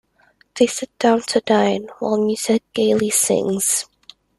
They sit down to dine, while Musette gaily sings.